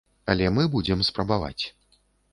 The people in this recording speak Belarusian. Але мы будзем спрабаваць.